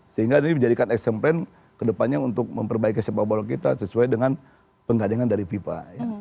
sehingga ini menjadikan eksemplen ke depannya untuk memperbaiki sepak bola kita sesuai dengan penggandingan dari vipa